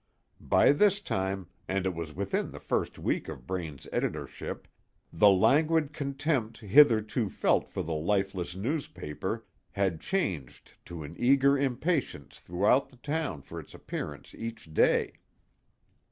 By this time and it was within the first week of Braine's editorship the languid contempt hitherto felt for the lifeless newspaper had changed to an eager impatience throughout the town for its appearance each day.